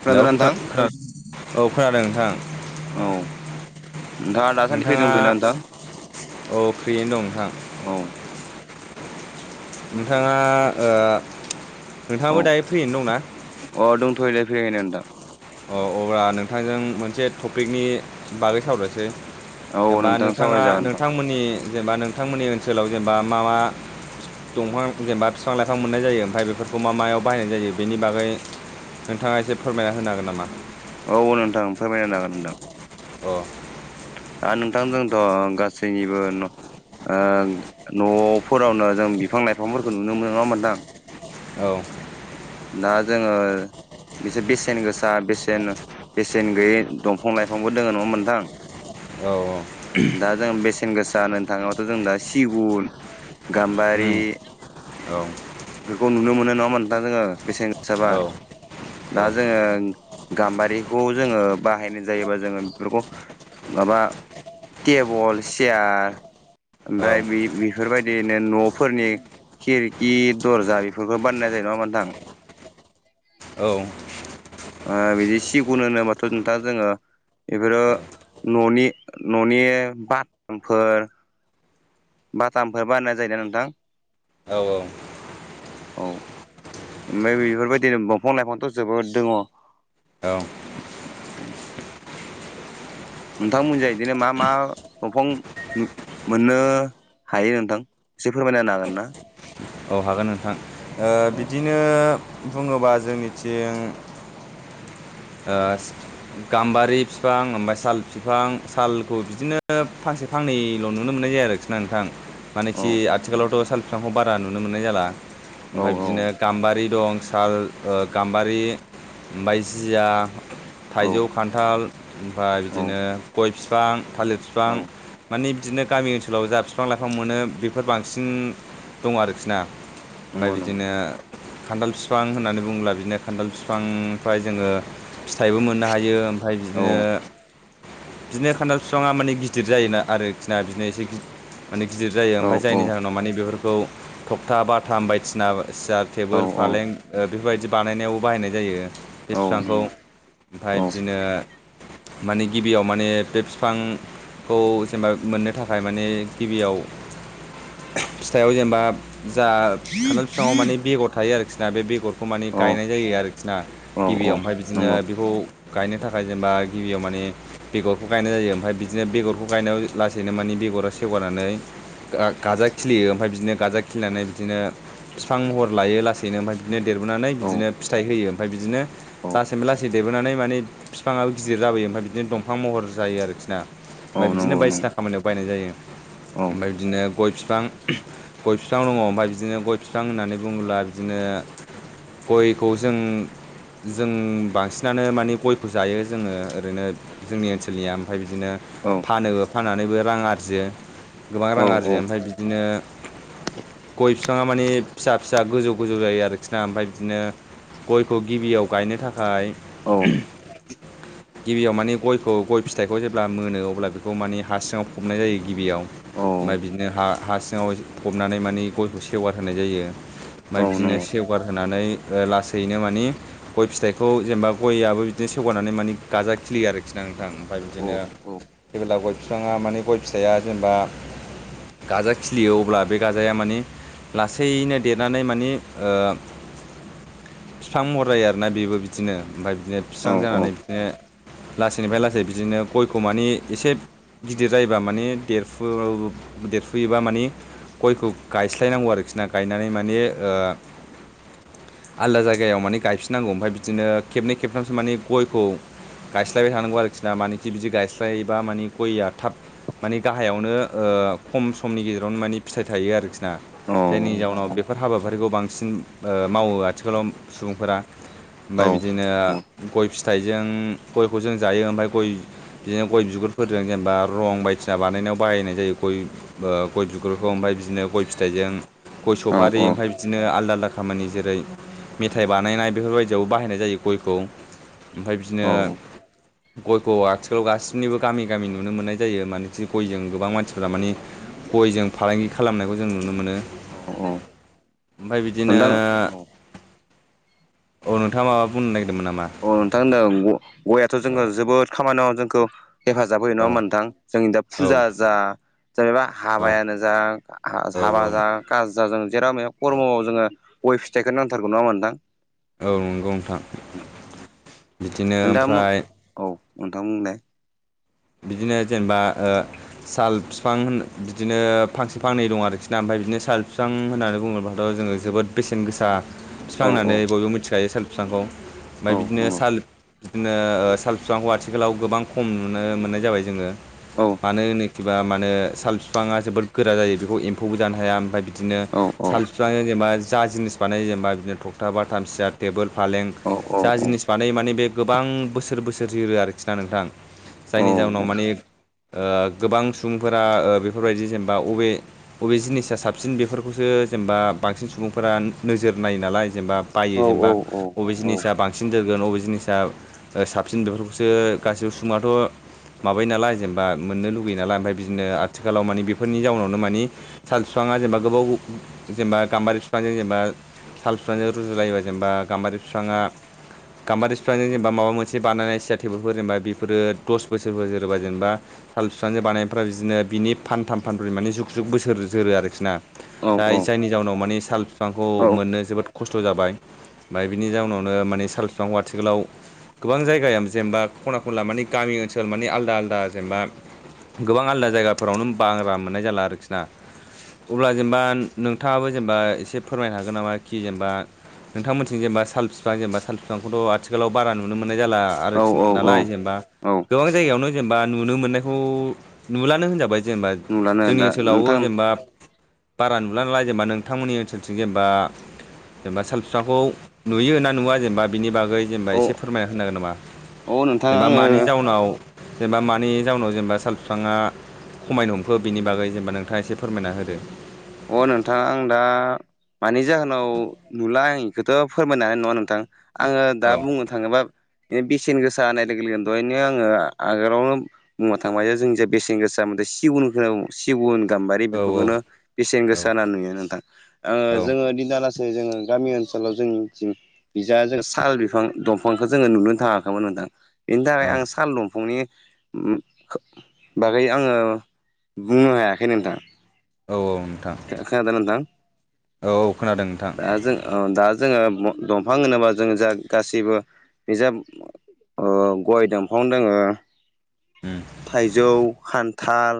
हेल' खोनादोंना नोंथां खोना-खोनादों? औ खोनादों नोंथां। औ नोंथाङा दासान्दि फ्रि नोंथाङा दंथ'योना नोंथां औ फ्रियैनो दं नोंथां? औ नोंथाङा ओ नोंथाङाबो दायो औ फ्रियैनो दंना? अ दंथ'यो दे फ्रियैनो नोंथां। अ अब्ला नोंथांजों मोनसे टपिकनि बागै सावरायनोसै। औ जेनेबा नोंथां नोंथाङा सावराय जागोन नोंथां नोंथांमोननि जेनेबा नोंथांमोननि ओनसोलाव जेनेबा मा मा दंफां जेनेबा फिफां लाइफां मोननाय जायो, ओमफ्राय बेफोरखौ मा मायाव बाहायनाय जायो बेनि बागै नोंथाङा एसे फोरमायना होनो हागोन नामा? औ नोंथां फोरमायना होनो हागोन नोंथां। अ। दा नोंथां जोंथ' गासैनिबो न ओ न'फोरावनो जों बिफां लाइफांफोरखौ नुनो मोनो नङा होमबा नोंथां? औ। दा जोङो बिसोर बेसेन गोसा बेसेन बेसेन गैयै दंफां लाइफांबो दोङो नङा होमबा नोंथां? [inaudible] औ औ। दा जों बेसेन गोसा होनो थाङोबाथ' जों दा सिगुन गाम्बारि उम औ बेफोरखौ नुनो मोनो नङा होमबा नोंथां जोङो? बेसेन गोसाबा औ दा जोङो गाम्बारिखौ जोङो बाहायनाय जायोबा जोङो बेफोरखौ माबा टेबल चियार औ ओमफ्राय बे-बेफोरबायदिनो न'फोरनि खिरखि, दरजा बेफोरखौ बानायनाय जायो नङा होमबा नोंथां? औ। ओ बिदि सिगुन होनोबाथ' नोंथां जोङो बेफोरो न'नि न'नि बाथामफोर बाटामफोर बाननाय जायोना नोंथां? औ औ। औ ओमफाय बेफोरबायदिनो दंफां लाइफांथ' जोबोद दङ। औ उम। नोंथांमोनजों बिदिनो मा मा दंफां नु मोननो हायो नोंथां, एसे फोरमायना होनो हागोन ना? औ हागोन नोंथां। ओ औ बिदिनो बुङोबा जोंनिथिं ओ गाम्बारि फिफां ओमफाय साल बिफां सालखौ बिदिनो फांसे फांनैल' नुनो मोननाय जायो आरोखि ना नोंथां। औ मानेखि आथिखालावथ' साल बिफांखौ बारा नुनो मोननाय जाला। औ ओमफ्राय बिदिनो गाम्बारि दं साल ओ गाम्बारि ओमफाय जिया औ थाइजौ खान्थाल ओमफाय औ बिदिनो गय फिफां, थालिर औ फिफां माने बिदिनो गामि ओनसोलाव जा फि बिफां लाइफां मोनो बेफोर बांसिन दं आरोखि ना। ओमफ्राय नंगौ नंगौ बिदिनो खान्थाल फिफां होननानै बुङोब्ला बिदिनो खान्थाल फिफांनिफ्राय जोङो फिथाइबो मोननो हायो। ओमफ्राय औ बिदिनो बिदिनो खान्थाल बिफाङा माने गिदिर जायोना आरोखिना बिनो एसे गि माने गिदिर जायो औ ओमफाय औ जायनि जाहोनाव माने बेफोरखौ थखथा बाथाम बायदिसिना। सियार औ टेबोल फालें औ ओ बेफोरबायदि बानायनायावबो बाहायनाय जायो। बे फिफांखौ नंगौ औ ओमफाय बिदिनो माने गिबियाव माने बे फिफां। खौ जेनेबा मोननो थाखाय माने गिबियाव। फिथाइाव जेनेबा जा। खान्थाल फिफाङाव माने बेगर थायो आरोखिना बे बेगरखौ माने औ गायनाय जायो आरोखि ना। औ औ गिबियाव ओमफाय बिदिनो नंगौ बेखौ गायनो थाखाय जेनेबा गिबियाव माने। बेगरखौ गायनाय जायो ओमफ्राय बिदिनो बेगरखौ गायनायाव लासैनो मानि बेगरा सेवगारनानै। गा गाजा खिलियो ओमफ्राय बिदिनो गाजा खिलिनानै बिदिनो फिफां महर लायो लास दिनो ओमफ्राय बिदिनो देरबोनानै औ बिदिनो फिथाइ होयो ओमफ्राय बिदिनो। औ लासैबो लासै देरबोनानै माने बिफाङाबो गिदिर जाबोयो ओमफफ्राय बिदिनो दंफां महर जायो आरोखि ना औ ओमफफ्राय बिदिनो नंगौ नंगौ बायदिसिना खामानियाव बायनाय जायो औ ओमफफ्राय बिदिनो गय बिफां गय बिफां दङ ओमफफ्राय बिदिनो गय बिफां होननानै बुङोब्ला बिदिनो गयखौ जों जों बांसिनानो माने गयखौ जायो जोङो ओरैनो जोंनि ओनसोलनिया ओमफ्राय बिदिनो औ फानोबो फाननानैबो रां आरजियो गोबां औ नंगौ औ रां आरजियो औ ओमफ्राय बिदिनो गय बिफाङा माने फिसा फिसा गोजौ गोजौ जायो आरोखि ना ओमफफ्राय बिदिनो गयखौ गिबियाव गायनो थाखाय औ गिबियाव माने गयखौ गय फिथाइखौ जेब्ला मोनो अब्ला बेखौ माने हारासङाव फबनाय जायो गिबियाव औ ओमफफ्राय बिदिनो हा हा सिङाव फबनानै माने गयखौ सेवार होनाय जायो ओमफफ्राय बिदिनो सेवगार होनानै लासैनो मानि गय फिथाइखौ जेनेबा गयाबबो बिदिनो सेवगनानै माने गाजा खिलियो आरोखि खिनांथां ओमफफ्राय बिदिनो जेबोब्ला गय बिफाङा माने गय फिसाइआ जेनेबा गाजा खिलियो अब्ला बे गाजाया माने लासैनो देरनानै माने ओ बिफां महर जायो आरो आराना बेबो बिदिनो ओमफ्राय बिदिनो बिसबां जानानै लासैनिफ्राय लासै बिदिनो गयखौ मानि एसे गिदिर जायोबा माने देर देरफुयोबा माने गयखौ गायस्लायनांगौ आरोखि ना गायनानै माने ओ आलादा जायगायाव माने गायफिननांगौ ओमफ्राय बिदिनो खेबनै खेबथामसो माने गयखौ गायस्लायबाय थानांगौ आरोखि ना मानेखि बिदि गायस्लायोबा माने गयया थाब माने गाहायावनो ओ खम समनि गेजेरावनो माने फिथाइ थायो आरोखि जायनि जाउनाव बेफोर हाबाफारिखौ ओ बांसिन मावो आथिखालाव सुबुंफोरा ओमफफ्राय बिदिनो गय फिथाइजों गयखौ जों जायो ओमफ्राय गय बिदिनो गय बिगुरफोरजों जेनेबा रं बायदिसिना बानायनायाव बाहायनाय जायो गय गय बिगुरखौ ओमफ्राय बिदिनो गय फिथाइजों गय सफारि ओमफ्राय बिदिनो आलदा आलदा खामानि जेरै मेथाइ बानायनाय बेफोरबायदियावबो बाहायनाय जायो गयखौ ओमफ्राय बिदिनो गयखौ आथिखालाव गासैबो निबो गामि गामि नुनो मोननाय जायो मान गयजों गोबां मानसिफ्रा माने गयजों फालांगि खालामनायखौ जों नुनो मोनो ओमफ्राय बिदिनो नोंथां औ औ नोंथाङा माबा बुंनो नागिरदोंमोन नामा? अ नोंथां होनदों गययाथ' औ जोंङो जोबोद खामानियाव जोंखो हेफाजाब होयो औ नङा होनबा नोंथां जोंनि दा औ फुजा जा जेनेबा हाबायानो जा औ हाबा औ जा गाज जा जों? जेराव मेराव खर्म'आव जोङो गय फिथाइखौनो नांथारगौ नङा होनबा नोंथां औ नंगौ नोंथां बिदिनो ओमफ्राय औ नोंथां बुंलाय बिदिनो जेनेबा ओ साल फिफां होन बिदिनो फांसे फांनै दं आरोखि ना ओमफ्राय बिदिनो साल फिफां होननानै बुंङोब्लाथ' जोङो जोबोद बेसेन गोसा बुं औ नोंथां बुंलाय औ बिफां औ होननानै बयबो मिथिखायो साल फिफांखौ औ ओमफफ्राय बिदिनो नंगौ साल बिदिनो साल फिफांखौ आथिखालाव गोबां खम नुनो मोननाय जाबाय जोङो। औ। मानो होनखिबा माने साल फिफाङा जोबोद गोरा जायो बेखौ एम्फौबो जानो हाया ओमफफ्राय। बिदिनो औ औ साल फिफां जेनेबा जा जिनिस बानायो जेनेबा बिदिनो थखथाब बाथा सियार टेबोल फालें औ जा जिनिस बानाय माने बे गोबां बोसोर बोसोर जिरो आरोखि ना नोंथां। औ जायनि जाहोनाव माने ओ गोबां सुबुंफोरा ओ बेफोरबायदि जेनेबा अबे बबे जिनिसा साबसिन बेफोरखौसो जेनेबा बांसिन सुबुंफोरा नोजोर नायो नालाय जेनेबा बायो औ औ जेनेबा बबे जिनिसा बां साबसिन देरगोन बबे जिनिसा साबसिन बेफोरखौसो गाैबो सुबुं आथह माबायो नालाय जेनेबा मोननो लुगैयो नालाय ओमफ्राय बिदिनो आथिखालाव माने बेफोरनि जाउनावनो मानि साल बिफाङा जेनेबा गोबाव जेनेबा गाम्बारि बिफांजों जेनेबा साल बिफांजों रुजुलायोबा जेनेबा गाम्बारि बिफाङा गाम्बारिफ्रजों जेनेबा माबा मोनसे बानायनाय सिया टेबोफोर जेनेबा बेफोरो दस बोसोरफोरबो जोरोबा जेनेबा साल बिफांजों बानायफ्रा बिदिनो बिनि फानथाम फानब्रै मानानि जुग जुग बोसोर जोरो आरोखि ना। औ दा जायनि जाउनाव माने साल फिफांखौ मोननो जोबोद खस्थ' जाबाय ओमफफ्राय बिनि जाउनावनो माने साल बिफांखौ आथिखालाव गोबां जायगायाव जेनबा खना खनला मानानि गामि ओनसोल ओनसोल मानि आलदा आलदा जेनेबा गोबां आलदा जायगाफोरावनो बारा मोननाय जाला आरोखि। ना अब्ला जेनेबा नोंथाङाबो जेनेबा एसे फोरमायनो हागोन नामा कि जेनेबा नोंथांमोनथि जेनब साल बिफां जेनब साल बिफांखौथ' आथिखालाव बारा नुनो मोननाय जाला। आरोखि औ नालाय जेनेबा औ। गोबां जायगायावनो जेनेबा नुनो मोननायखौ नुलानो होनजाबाय। जेनेबा नुलानो जोंनि दा ओनसोलावबो नोंथां जेनेबा बारा नुला नलाय जेनेबा नोंथांमोननि ओनसोलथिं जेनेबा जेनेबा साल बिफाखौ नुयो ना नुवा जेनेबा बिनि बागै जेनेबा औ एसे फोरमायना होनांगोन नामा औ नोंथां जेनेबा आङो मानि उनाव जेनेबा मानि जाउनाव जेनेबा साल बिफाङा खमायनो हमखो बिनि बागै जेनेबा नोंथाङा एसे फोरमायना होदो। अ नोंथाङा आं दा मानि जाहोनाव नुला आं बेखौथ' फोरमायनो हानाय नङा नोंथां। आङो दा औ बुंनो थाङोबा बेसेन गोसा होनानाय लोगो लोग दहायनो आङो आगोलावनो बुंनोथांनोबा जों जाय बेसेन गोसा जोन सिगुननो खोनो, सिगुन गाम्बारि औ औ बेफोरखौनो बेसेन औ गोसा होना नुयो नोंथां जोङो औ दिना आल गासै जोङो गामि ओनसोलाव जोंनिथिं बि जों साल बिफां दंफांखौ जोङो नुनो थाङाखैमोन नोथां। बेनि थाखाय औ आं साल दंफांनि बागै आङो बुंनो हायाखै नोंथां। औ औ। नोंथां खोनादोंना नोंथाङा? औ खोनादों नोंथां दा जों ओ दा जोङो दंफां होनोबा जोङो जा गासैबो बिजाब ओ गय दानफां दङो। उम थाइजौ, खान्थाल,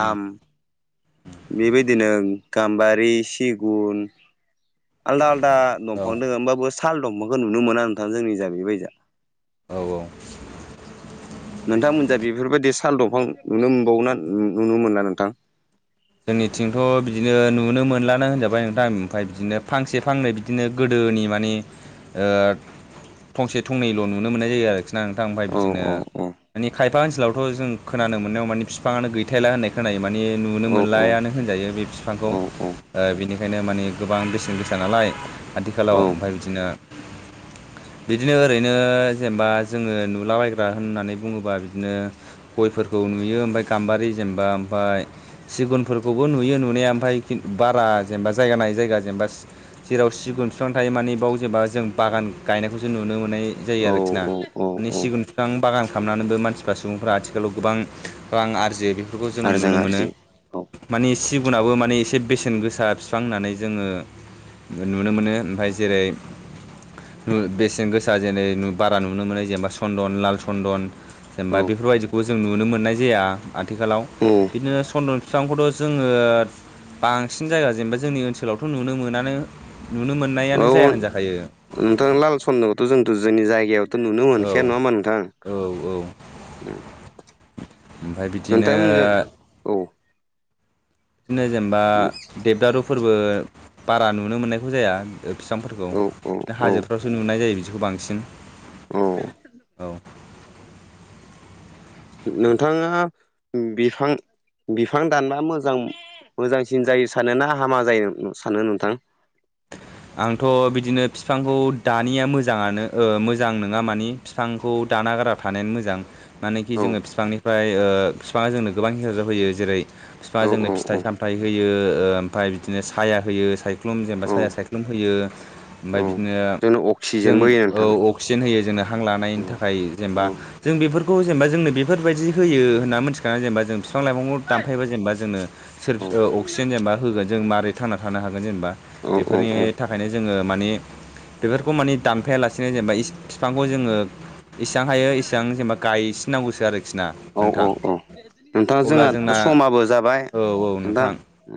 उम बेबायदिनो गाम्बारि, सिगुन आलदा आलदा औ दंफां दङ होनोमबाबबो साल दंफांखौ नुनो मोना नोंथां जोंनि जागैबायदिआ। औ औ। नोंथांमोनजा बेफोरबायदि साल दंफां नुनो मोनबावो ना नुनो मोनला नोंथां? जोंनिथिंथ' बिदिनो नुनो मोनलानो होनजाबाय नोंथां ओमफाय बिदिनो फांसे फांनै बिदिनो गोदोनि मानि ओ थंसे थंनैल' नुनो मोननाय जायो आरोखि ना नोंथां उमफाय औ बिदिनो औ माने खायफा ओनसोलावथ' जों खोनानो मोननायाव मानि फिफाङानो गै थारला होननाय खोनायो माने नुनो औ मोनलायानो होनजायो बे बिफांखौ। औ ओ बिनिखायनो माने गोबां बेसेन गोसा नालाय आथिखालाव ओमफाय बिदिनो बिदिनो ओरैनो जेनेबा जोङो नुलाबायग्रा होननानै बुङोबा बिदिनो गयफोरखौ नुयो ओमफाय गाम्बारि जेनबा ओमफाय सिगुनफोरखौबो नुयो नुनाया ओमफाय बारा जेनेबा जायगा नायै जायगा जेनेबा जेराव सिगुन बिफां थायो माने बाव जेनबा जों बागान गायनायखौ जों नुनो मोननाय जायो औ आरोखि ना औ औ माने औ सिगुन बिफां बागान खालामनानैबो मानसिफ्रा सुबुंफ्रा आथिखालाव गोबां रां आरजियो बेफोरखौ जों आरो नुनो मोनो। आरजि औ माने सिगुनाबो माने एसे बेसेन गोसा बिफां होननानै जोङो नुनो मोनो ओमफाय जेरै बेसेन गोसा जेनै बारा नुनो मोनै जेनेबा चन्दन लाल सन्दन औ जेनेबा बेफोरबायदिखौ जों नुनो मोननाय जाया आथिखालाव। उम। बिदिनो सन्दन बिफांखौथ' जोङो बांसिन जायगा जेनेबा जोंनि ओनसोलावथ' नुनो मोनानो नुनो औ मोननायानो जाया होनजाखायो। नोंथां लाल सन्दखौथ' जोंथ' जोंनि जायगायाव नुनो औ मोनखाया नङा औ होमबा नोंथां? औ उम ओमफ्राय बिदिनो नोंथांमोनजा औ बिदिनो जेनबा देबदारुफोरबो बारा नुनो मोननायखौ जाया। बिफांफोरखौ औ औ बिदिनो औ हाजोफ्रावसो नुनाय जायो बिदिखौ बांसिन औ। नोंथाङा बिफां बिफां दानबा मोजां मोजांसिन जायो सानो ना हामा जायो सानो नोंथां? आंथ' बिदिनो बिफांखौ दानिया मोजाङानो ओ मोजां नङा माने बिफांखौ दाना गारा थानायानो मोजां। मानोेखि औ जोङो बिफांनिफ्राय ओ बिफाङा जोंनो गोबां हेफाजाब होयो जेरै बिफाङा औ जोंनो औ फिथाइ औ साम थाइ होयो ओमफाय बिदिनो साया होयो सायख्लुम जेनबा औ साया सायख्लुम होयो औ ओमफाय बिदिनो जोंनो जों अक्सिजेनबो होयो ओ नोंथां अक्सिजेन होयो जोंनो हां लानायनि औ थाखाय जेनबा। औ जों बेफोरखौ जेनबा जोंनो बेफोरबायदि होयो होन्ना मिथिखाना जेनबा जों बिफां लाइफांखौ दानफायबा जेनबा जोंनो सोर औ अक्सिजेन जेनबा होगोन जों मारै थांना थानो हागोन जेनबा। बेफोरनि थाखायनो जोङो माने बेफोरखौ माने दानफायालासिनो जेनेबा बिफांखौ जोङो इसेबां हायो इसेबां जेनेबा गायसिनांगौसो आरोखि ना नोंथां। नोंथाङा अब्ला जोंहा जोंना समाबो जाबाय औ औ नोंथां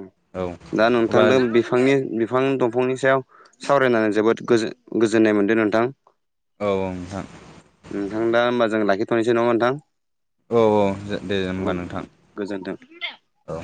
उम औ दा अब्ला नोंथांदों बि फांनि बिफां दंफांनि सायाव सावरायनानै जोबोद गोजो गोजोननाय मोनदों नोंथां। औ नोंथां। नोंथां दा होमबा जों लाखिथ'नोसै नामा नोंथां? औ औ जे दे होमबा नोंथां गोजोन्थों औ।